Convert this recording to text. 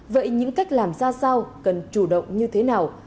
vậy những cách làm ra sao cần chủ động như thế nào